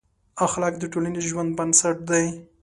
اخلاق د ټولنیز ژوند بنسټ دی.